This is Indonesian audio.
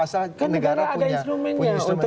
asal negara punya instrumen